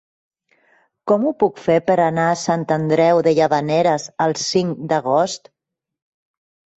Com ho puc fer per anar a Sant Andreu de Llavaneres el cinc d'agost?